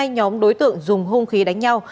hai nhóm đối tượng dùng hung khí đánh nhau